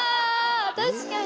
確かに！